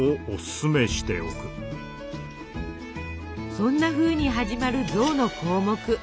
そんなふうに始まる「象」の項目。